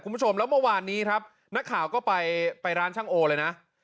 คุณผู้ชมแล้วเมื่อวานนี้ครับนักข่าวก็ไปร้านช่างโอเลยนะ